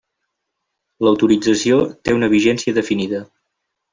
L'autorització té una vigència definida.